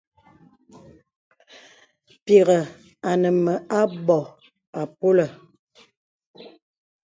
Pìghə̀ ane mə anbô àpolə̀.